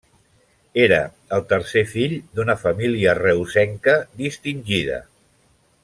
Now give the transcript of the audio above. Era el tercer fill d'una família reusenca distingida.